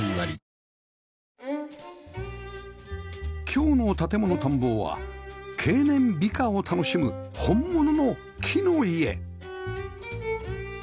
今日の『建もの探訪』は経年美化を楽しむ本物の木の家